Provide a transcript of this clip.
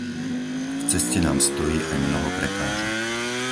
V ceste nám stojí aj mnoho prekážok.